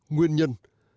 hai nguyên nhân